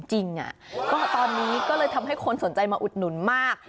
จริงก็ตอนนี้ก็เลยทำให้คนสนใจมาอุดหนุนมาก